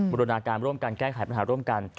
รุณาการร่วมกันแก้ไขปัญหาร่วมกัน